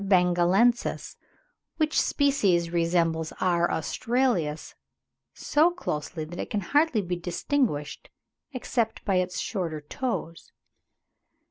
bengalensis, which species resembles R. australis so closely, that it can hardly be distinguished except by its shorter toes.